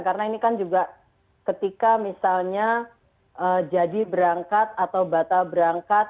karena ini kan juga ketika misalnya jadi berangkat atau batal berangkat